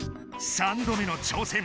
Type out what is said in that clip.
３度目の挑戦。